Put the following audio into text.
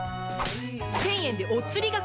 １０００円でお釣りがくるのよ！